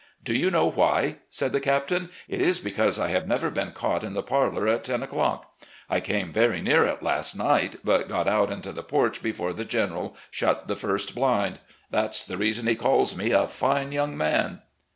" Do you know why ?" said the Captain. " It is because I have never been caught in the parlour at ten o'clock. I came very near it last night, but got out into the porch before the General shut the first blind. That's the reason he calls me ' a fine young man.